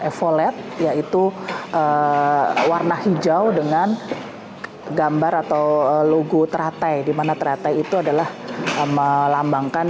evolet yaitu warna hijau dengan gambar atau logo teratai dimana teratai itu adalah melambangkan